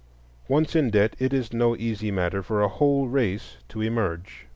Once in debt, it is no easy matter for a whole race to emerge.